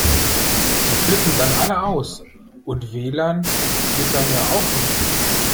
Die flippen dann alle aus. Und W-Lan geht dann ja auch nicht.